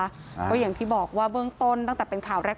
ก็อย่างที่บอกว่าเบื้องต้นตั้งแต่เป็นข่าวแรก